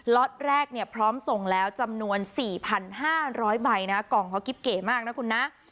ล็อตแรกเนี่ยพร้อมส่งแล้วจำนวน๔๕๐๐ใบนะกล่องเขากิ๊บเก๋มากนะคุณนะ